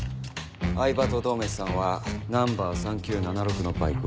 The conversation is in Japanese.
饗庭と百目鬼さんはナンバー３９７６のバイクを。